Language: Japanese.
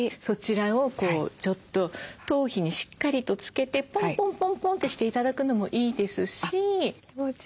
そちらをちょっと頭皮にしっかりとつけてポンポンポンポンってして頂くのもいいですし。